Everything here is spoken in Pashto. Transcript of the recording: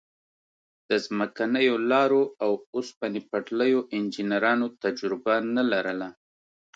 د ځمکنیو لارو او اوسپنې پټلیو انجنیرانو تجربه نه لرله.